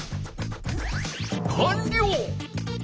かんりょう！